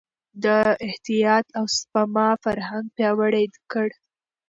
ده د احتياط او سپما فرهنګ پياوړی کړ.